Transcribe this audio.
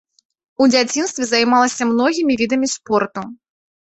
У дзяцінстве займалася многімі відамі спорту.